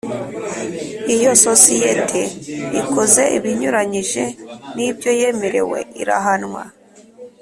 Iyo sosiyete ikoze ibinyuranyije n’ibyo yemerewe irahanwa